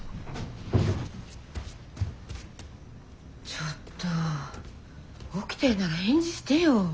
ちょっと起きてるなら返事してよ。